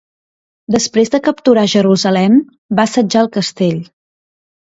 Després de capturar Jerusalem, va assetjar el castell.